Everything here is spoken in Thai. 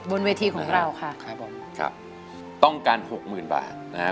บนเวทีของเราค่ะครับผมครับต้องการหกหมื่นบาทนะฮะ